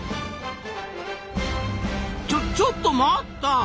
ちょちょっと待った！